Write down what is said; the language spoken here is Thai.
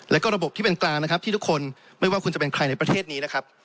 แล้วก็ระบบที่เป็นกลางนะครับที่ทุกคนไม่ว่าคุณจะเป็นใครในประเทศนี้นะครับ